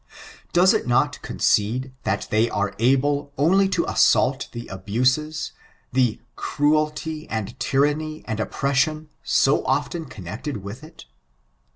Does it not concede that they are able only to assault the abuses, "the cruelty, and tyranny, and oppression, so often con nected with it?"